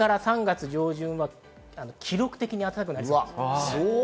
これから３月上旬は記録的に暖かくなりそうです。